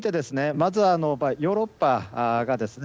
まずはヨーロッパがですね